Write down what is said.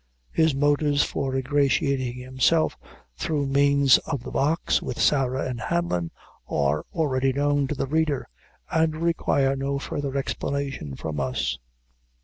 His motives for ingratiating himself through means of the box, with Sarah and Hanlon, are already known to the reader, and require no further explanation from us.